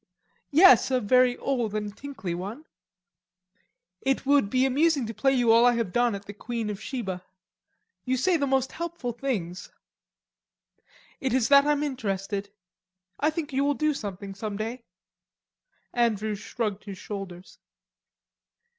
"Yes, a very old and tinkly one." "It would be amusing to play you all I have done at the 'Queen of Sheba.' You say the most helpful things." "It is that I am interested. I think you will do something some day." Andrews shrugged his shoulders.